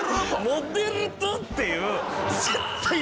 モデルと！っていう。